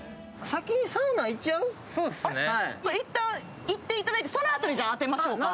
一旦行っていただいて、そのあとに当てましょうか。